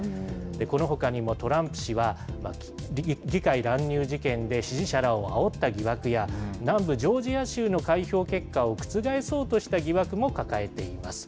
このほかにもトランプ氏は、議会乱入事件で支持者らをあおった疑惑や、南部ジョージア州の開票結果を覆そうとした疑惑も抱えています。